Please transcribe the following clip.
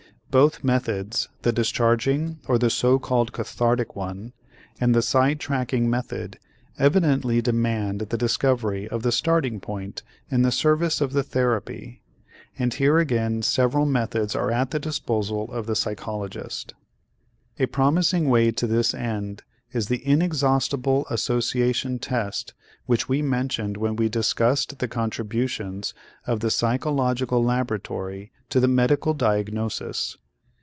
Both methods, the discharging, or the so called cathartic one, and the side tracking method evidently demand the discovery of the starting point in the service of the therapy and here again several methods are at the disposal of the psychologist. A promising way to this end is the inexhaustible association test which we mentioned when we discussed the contributions of the psychological laboratory to the medical diagnosis.